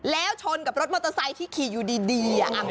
แล้วชนกับรถมอเตอร์ไซค์ที่ขี่อยู่ดี